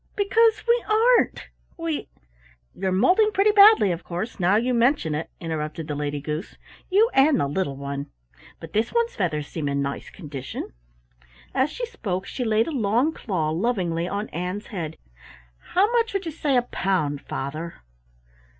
"Because we aren't we " "You're molting pretty badly, of course, now you mention it," interrupted the Lady Goose, "you and the little one. But this one's feathers seem in nice condition." As she spoke she laid a long claw lovingly on Ann's head. "How much would you say a pound, father?"